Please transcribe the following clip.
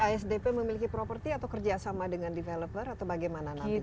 asdp memiliki property atau kerja sama dengan developer atau bagaimana nanti kira kira